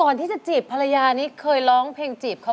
นมสุพรรณอ่ะ